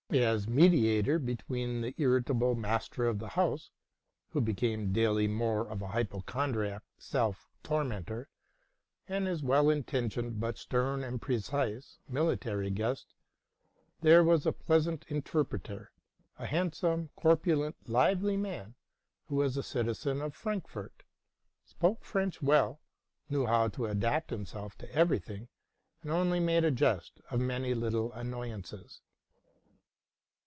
As mediator between the irritable master of the house — who became daily more of a hypochondriac self tormentor — and his well intentioned, but stern and precise, military guest, there was a pleasant interpreter, a handsome, corpulent, lively man, who was a citizen of Frankfort, spoke French well, knew how to adapt himself to every thing, and only made a jest of many little annoyances.